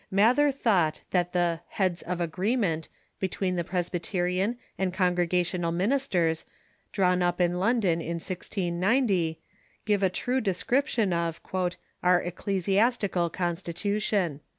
Mather thought that the " Heads of Agree ment" between the Presbyterian and Congregational minis ters, drawn up in London in 1690, give a true description of " our ecclesiastical constitution."